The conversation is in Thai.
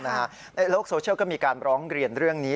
ในโลกโซเชียลก็มีการร้องเรียนเรื่องนี้